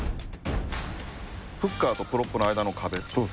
フッカーとプロップの間の壁。